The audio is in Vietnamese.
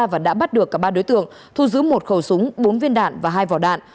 và đã bắt được cả ba đối tượng thu giữ một khẩu súng bốn viên đạn và hai vỏ đạn